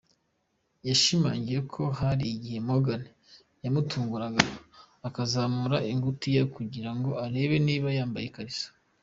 Yashimangiye ko hari igihe Morgan yamutunguraga akazamura ingutiya kugira ngo arebe niba yambaye ikariso.